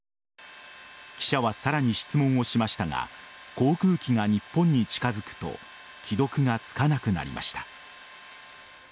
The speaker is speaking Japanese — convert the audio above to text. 記者はさらに質問をしましたが航空機が日本に近づくと既読がつかなくなりました。